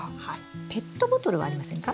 ペットボトルはありませんか？